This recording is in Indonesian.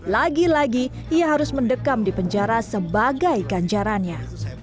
lagi lagi ia harus mendekam di penjara sebagai ganjarannya